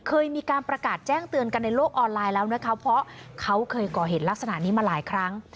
เคยมีการประกาศแจ้งเตือนกันในโลกออนไลน์แล้วนะคะเพราะเขาเคยก่อเหตุลักษณะนี้มาหลายครั้ง